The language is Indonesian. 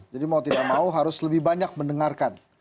jadi mau tidak mau harus lebih banyak mendengarkan